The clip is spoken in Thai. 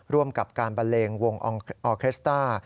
ร่วมกับการบันเลงวงออเครสต้า